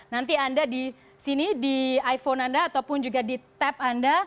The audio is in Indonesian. nanti anda di sini di iphone anda ataupun juga di tap anda